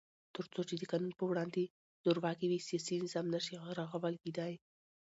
تر څو چې د قانون په وړاندې زورواکي وي، سیاسي نظام نشي رغول کېدای.